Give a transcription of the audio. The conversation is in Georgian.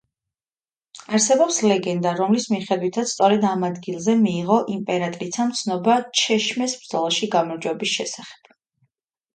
არსებობს ლეგენდა, რომლის მიხედვითაც სწორედ ამ ადგილზე მიიღო იმპერატრიცამ ცნობა ჩეშმეს ბრძოლაში გამარჯვების შესახებ.